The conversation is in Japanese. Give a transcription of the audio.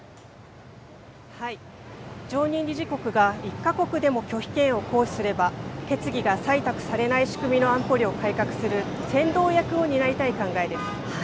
常任理事国が１か国でも拒否権を行使すれば、決議が採択されない仕組みの安保理を改革する先導役を担いたい考えです。